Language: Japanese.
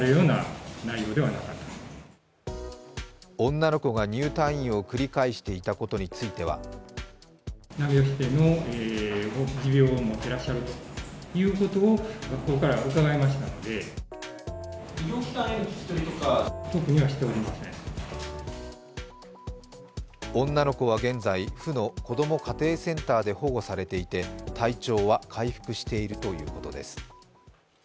女の子が入退院を繰り返していたことについては女の子は現在、府の子ども家庭センターで保護されていて体調は回復しているということです。